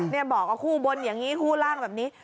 บอกกับคู่บนอย่างนี้คู่ล่างแบบนี้